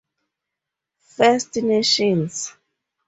First Nations.